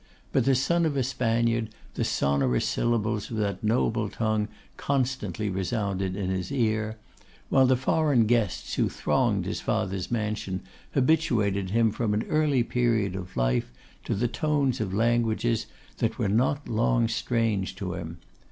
But the son of a Spaniard, the sonorous syllables of that noble tongue constantly resounded in his ear; while the foreign guests who thronged his father's mansion habituated him from an early period of life to the tones of languages that were not long strange to him.